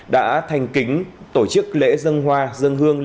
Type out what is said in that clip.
đã thanh kính tổ chức lễ dân